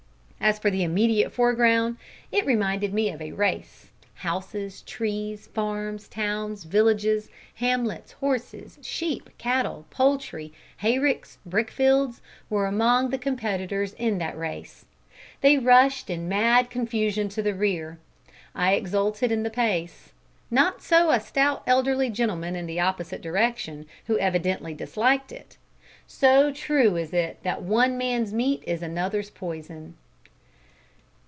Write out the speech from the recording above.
As for the immediate foreground, it reminded me of a race houses, trees, farms, towns, villages, hamlets, horses, sheep, cattle, poultry, hayricks, brickfields, were among the competitors in that race. They rushed in mad confusion to the rear. I exulted in the pace. Not so a stout elderly gentleman in the opposite corner, who evidently disliked it so true is it that "one man's meat is another's poison."